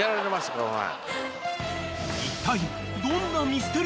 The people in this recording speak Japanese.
この前。